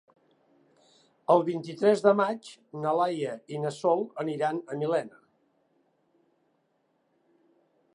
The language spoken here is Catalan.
El vint-i-tres de maig na Laia i na Sol aniran a Millena.